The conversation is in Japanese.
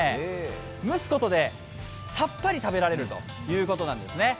蒸すことでさっぱり食べられるということなんですね。